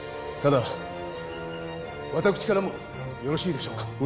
ただ私からもよろしいでしょうか？